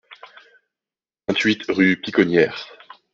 vingt-huit rue Piconnières